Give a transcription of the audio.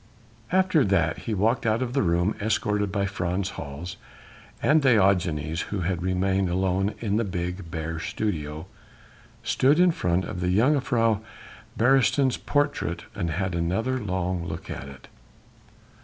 After that he walked out of the room escorted by Frans Hals, and Diogenes who had remained alone in the big, bare studio, stood in front of Jongejuffrouw Beresteyn's portrait and had another long look at it.